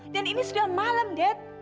dan ini sudah malam dad